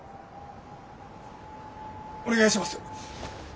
お願いします。